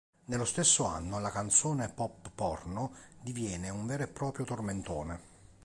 Nello stesso anno la canzone "Pop porno" diviene un vero e proprio tormentone.